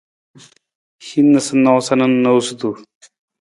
Hin noosanoosa na noosutu.